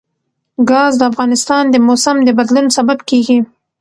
ګاز د افغانستان د موسم د بدلون سبب کېږي.